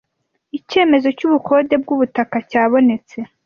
icyemezo cy ubukode bw ubutaka cyabonetse